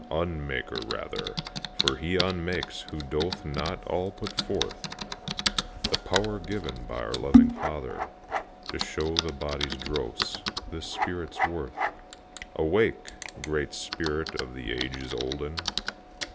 unmaker rather, For he unmakes who doth not all put forth The power given by our loving Father To show the body's dross, the spirit's worth. Awake! great spirit of the ages olden!